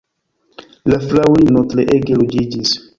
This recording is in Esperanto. La fraŭlino treege ruĝiĝis.